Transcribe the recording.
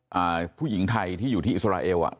อ่าผู้หญิงไทยที่อยู่ที่อิสราเอลอ่ะ